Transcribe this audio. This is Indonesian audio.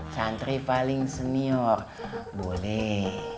santri paling senior boleh